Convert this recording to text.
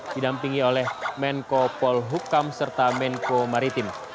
didampingi oleh menko polhukam serta menko maritim